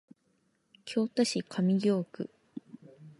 京都市上京区